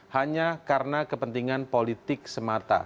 hanya karena kepentingan politik semata